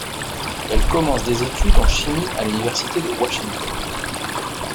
Elle commence des études en chimie à l'université de Washington.